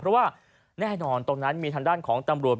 เพราะว่าแน่นอนตรงนั้นมีทางด้านของตำรวจ